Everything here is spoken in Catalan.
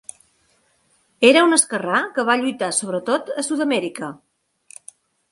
Era un esquerrà que va lluitar sobretot a Sud-Amèrica.